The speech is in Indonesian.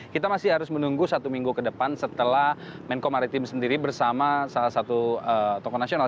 kita masih harus menunggu satu minggu ke depan setelah menko maritim sendiri bersama salah satu tokoh nasional